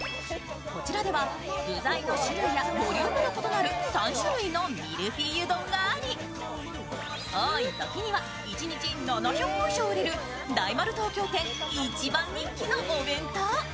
こちらでは具材の種類やボリュームの異なる３種類のミルフィーユ丼があり、多いときには、１日７００個以上売れる大丸東京店、一番人気のお弁当。